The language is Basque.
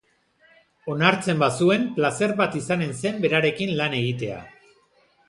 Onartzen bazuen, plazer bat izanen zen berarekin lan egitea.